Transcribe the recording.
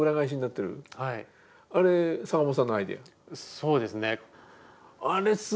そうですね。